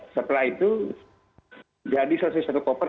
setelah itu jadi selesai satu koper